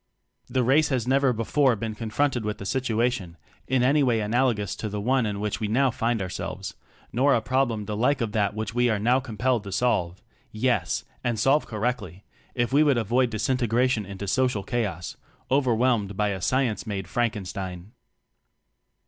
The race has never before been confronted with a situation in any way analogous to the one in which we now find ourselves, nor a prob lem the like of that which we are now compelled to solve; yes, and solve correctly, if we would avoid distintegration into social chaos overwhelmed by a science made Frankenstein.